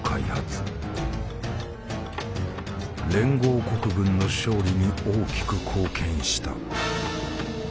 連合国軍の勝利に大きく貢献した。